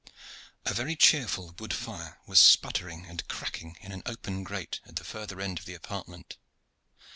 A very cheerful wood fire was sputtering and cracking in an open grate at the further end of the apartment.